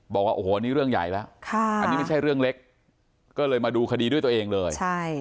บอกว่าโอ้โหนี่เรื่องใหญ่แล้วอันนี้ไม่ใช่เรื่องเล็กก็เลยมาดูคดีด้วยตัวเองเลย